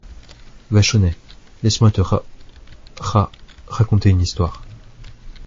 Vachonnet Laisse-moi te ra … ra … raconter une histoire ?